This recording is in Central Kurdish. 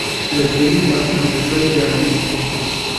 لە زەوی و ئاسمان بەدوای گەڕاین.